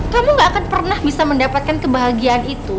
kamu gak akan pernah bisa mendapatkan kebahagiaan itu